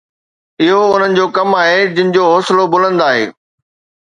اهو انهن جو ڪم آهي جن جو حوصلو بلند آهي